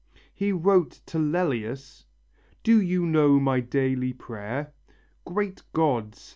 He wrote to Lellius: "Do you know my daily prayer? Great Gods!